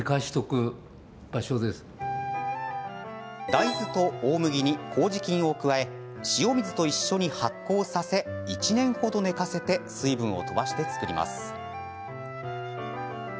大豆と大麦に、こうじ菌を加え塩水と一緒に発酵させ１年程、寝かせて水分を飛ばして造ります。